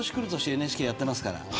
ＮＨＫやってますから。